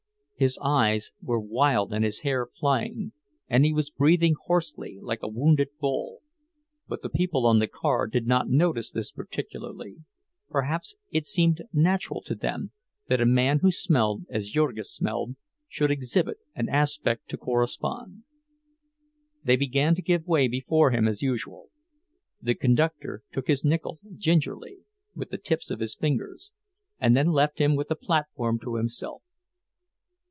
His eyes were wild and his hair flying, and he was breathing hoarsely, like a wounded bull; but the people on the car did not notice this particularly—perhaps it seemed natural to them that a man who smelled as Jurgis smelled should exhibit an aspect to correspond. They began to give way before him as usual. The conductor took his nickel gingerly, with the tips of his fingers, and then left him with the platform to himself.